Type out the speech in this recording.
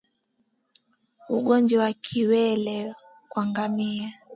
Ugonjwa wa kiwele kwa ngamia